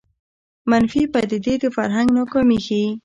منفي پدیدې د فرهنګ ناکامي ښيي